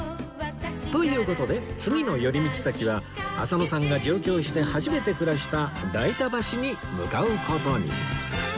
という事で次の寄り道先は浅野さんが上京して初めて暮らした代田橋に向かう事に